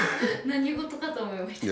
何事かと思いました。